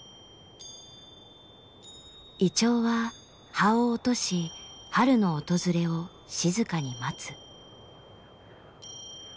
銀杏は葉を落とし春の訪れを静かに待つ。